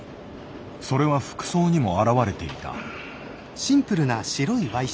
それは服装にも表れていた。